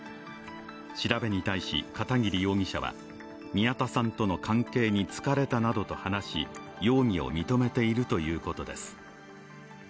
調べに対し、片桐容疑者は宮田さんとの関係に疲れたなどと話し容疑を認めているということです。